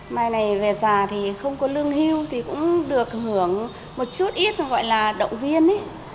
mai này về già thì không có lương hưu thì cũng được hưởng một chút ít gọi là động viên